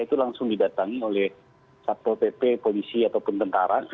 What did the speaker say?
itu langsung didatangi oleh satpol pp polisi ataupun tentara